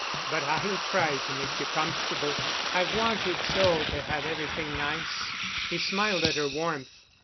But I'll try to make you comfortable. I've wanted so to have everything nice." He smiled at her warmth.